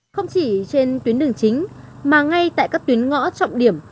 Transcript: không chỉ trên tuyến đường chính mà ngay tại các tuyến ngõ trọng điểm